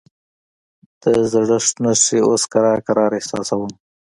د زړښت نښې اوس کرار کرار احساسوم.